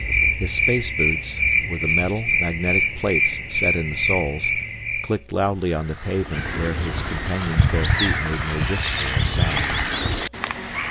His space boots, with the metal, magnetic plates set in the soles, clicked loudly on the pavement where his companion's bare feet made no whisper of sound.